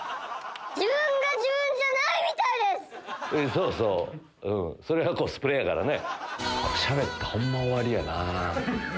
そうそうそれがコスプレやからね。